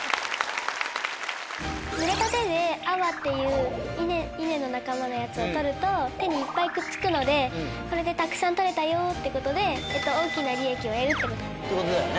濡れた手で粟っていう稲の仲間のやつを取ると手にいっぱいくっつくのでこれでたくさん取れたよってことで大きな利益を得るってことになります。